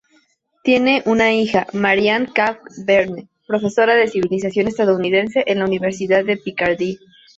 Tienen una hija, Marianne Kac-Vergne, profesora de civilización estadounidense en la universidad de Picardie.